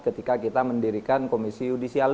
ketika kita mendirikan komisi yudisial